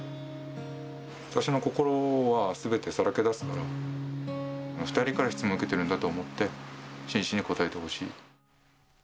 私の心はすべてさらけ出すから、２人から質問受けてるんだと思って、真摯に答えてほしい。